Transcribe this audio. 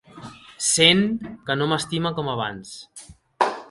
Sent que no m'estima com abans.